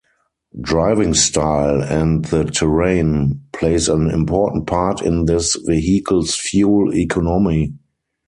Driving style and the terrain plays an important part in this Vehicle's fuel economy.